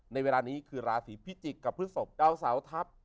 ในเวลานี้คือราศีพิจิกษ์กับพฤศพดาวเสาทัพ